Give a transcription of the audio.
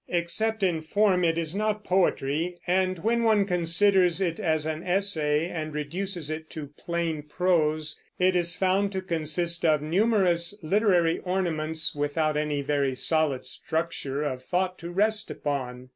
Except in form it is not poetry, and when one considers it as an essay and reduces it to plain prose, it is found to consist of numerous literary ornaments without any very solid structure of thought to rest upon.